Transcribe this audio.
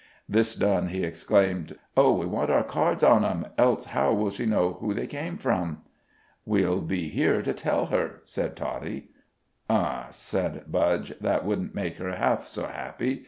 This done, he exclaimed: "Oh! we want our cards on em, else how will she know who they came from?" "We'll be here to tell her," said Toddie. "Huh!" said Budge; "That wouldn't make her half so happy.